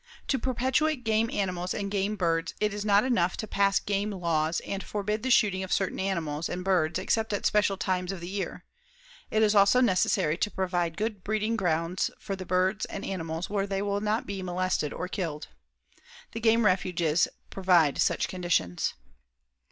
To perpetuate game animals and game birds, it is not enough to pass game laws and forbid the shooting of certain animals and birds except at special times of the year; it is also necessary to provide good breeding grounds for the birds and animals where they will not be molested or killed. The game refuges provide such conditions.